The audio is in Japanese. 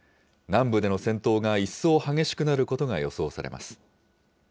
南部での戦闘が一層激しくなることが予想されます。